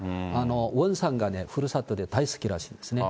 ウォンサンがふるさとで大好きらしいですね。